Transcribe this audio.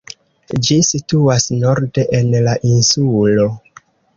Ĝi situas norde en la insulo.